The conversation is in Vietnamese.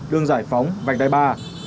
đường giải phóng vạch đai ba